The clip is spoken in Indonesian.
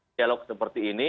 dialog seperti ini